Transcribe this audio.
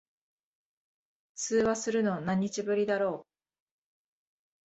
通話するの、何日ぶりだろ。